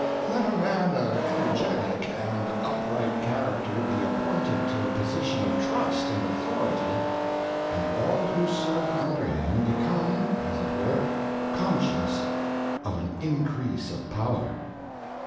Let a man of energetic and upright character be appointed to a position of trust and authority, and all who serve under him become, as it were, conscious of an increase of power.